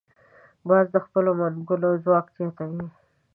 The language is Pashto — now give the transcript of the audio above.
باز د خپلو منګولو ځواک زیاتوي